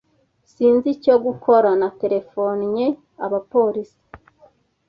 Sinzi icyo gukora, naterefonnye abapolisi.